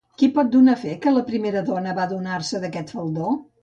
Qui pot donar fe que la primera dona va adonar-se d'aquest faldó?